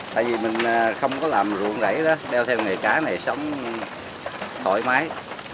tại vì mình không có làm ruộng đẩy đó đeo theo nghề cá này sống thoải mái